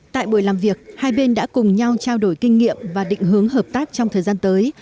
tại buổi làm việc hai bên đã cùng nhau trao đổi kinh nghiệm và định hướng hợp tác trong thời gian tới